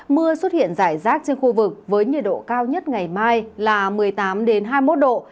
mưa xuất hiện rải rác trên khu vực với nhiệt độ cao nhất ngày mai là một mươi tám hai mươi một độ